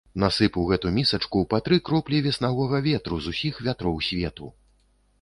Насып у гэту місачку па тры кроплі веснавога ветру з усіх вятроў свету!